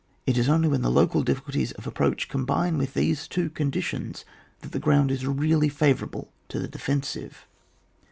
It ia only when the local difficulties of ap proach combine with these two conditions that the ground is really favourable to the defensive.